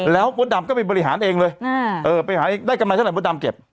แล้วมดดำก็ไปบริหารเองเลยเออไปหาได้กันมาเท่าไหร่มดดำเก็บ